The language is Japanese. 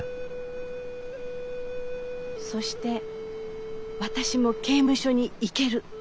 そして私も刑務所に行ける。